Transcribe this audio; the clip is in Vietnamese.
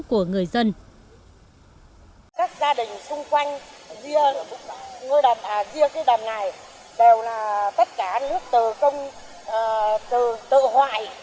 các gia đình xung quanh dưới đầm này đều là tất cả nước tự hoại